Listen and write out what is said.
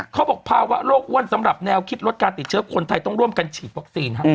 เขาบอกภาวะโรคอ้วนสำหรับแนวคิดลดการติดเชื้อคนไทยต้องร่วมกันฉีดวัคซีน